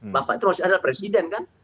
bapak itu adalah presiden kan